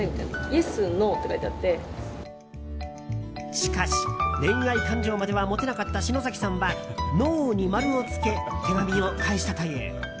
しかし、恋愛感情までは持てなかった篠崎さんはノーに丸を付け手紙を返したという。